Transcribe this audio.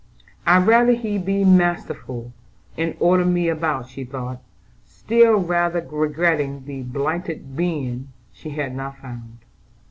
"I'd rather he'd be masterful, and order me about," she thought, still rather regretting the "blighted being" she had not found.